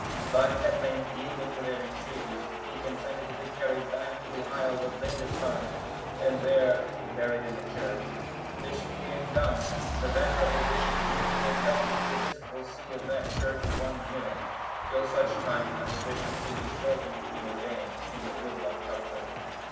But at length yielding to their entreaties, he consented to be carried back to the isle of Lindisfarne, and there buried in the church.(760) This being done, the venerable Bishop Wilfrid held the episcopal see of that church one year,(761) till such time as a bishop should be chosen to be ordained in the room of Cuthbert.